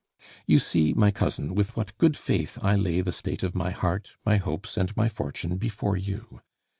You see, my cousin, with what good faith I lay the state of my heart, my hopes, and my fortune before you.